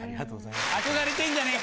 憧れてんじゃねえか？